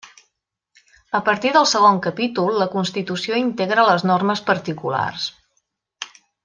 A partir del segon capítol, la constitució integra les normes particulars.